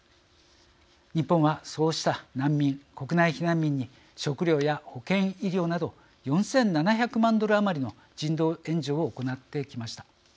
日本はそうした難民国内避難民に対して食料や保健医療など４７００万ドル余りの人道援助を行ってきました。